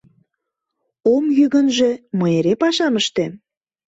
Ом йӱ гынже, мый эре пашам ыштем.